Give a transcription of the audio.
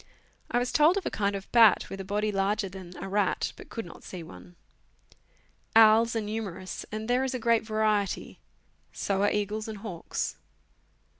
I was told of a kind of bat, with a body larger than a rat, "but could not see one. Owls are numerous, and there is a great variety; so are eagles and hawks.